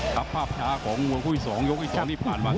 กับภาพชาของวงวงคุยสองยกคุยสองนี้ผ่านมา